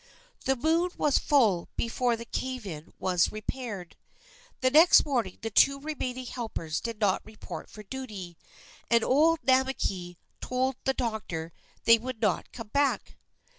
The moon was full before the cave in was repaired. The next morning the two remaining helpers did not report for duty, and old Namakei told the doctor that they would not come back.